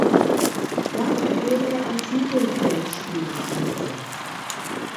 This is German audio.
Dabei wurde er als Mittelfeldspieler eingesetzt.